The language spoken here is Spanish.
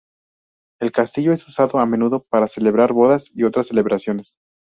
El castillo es usado a menudo para celebrar bodas y otras celebraciones.